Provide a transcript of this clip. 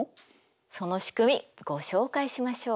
そのしくみご紹介しましょう。